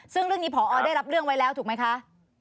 ซึ่งเรื่องนี้พอได้รับเรื่องไว้แล้วถูกไหมคะ